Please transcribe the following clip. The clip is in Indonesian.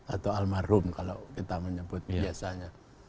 atau al marhum kalau kita menyebut biasanya